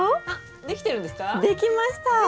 あっできてるんですか？